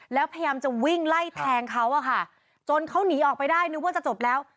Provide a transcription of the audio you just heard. แล้วพยายามจะวิ่งไล่แทงเขาอะค่ะจนเขาหนีออกไปได้นึกว่าจะจบแล้ว